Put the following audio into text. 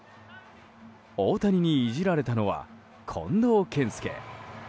大谷にいじられたのは近藤健介。